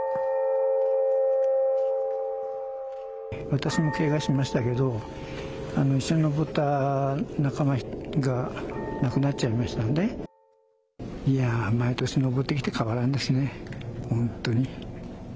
私も、けがしましたけど仲間が亡くなっちゃいましたんで毎年登ってきて変わらんですね、本当に。